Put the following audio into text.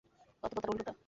অথবা তার উল্টোটা।